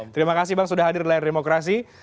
terima kasih bang sudah hadir di layar demokrasi